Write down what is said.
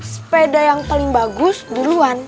sepeda yang paling bagus duluan